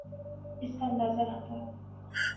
اس کا اندازہ نہ تھا۔